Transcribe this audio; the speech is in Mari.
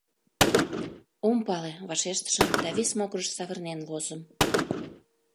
— Ом пале, — вашештышым да вес могырыш савырнен возым.